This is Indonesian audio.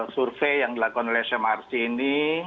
survei yang dilakukan oleh smrc ini